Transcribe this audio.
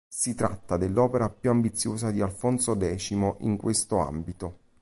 Si tratta dell'opera più ambiziosa di Alfonso X in questo ambito.